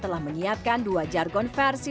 telah menyiapkan dua jargon versi